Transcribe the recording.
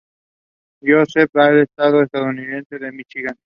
Joseph, en el estado estadounidense de Míchigan.